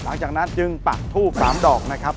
หลังจากนั้นจึงปักทูบ๓ดอกนะครับ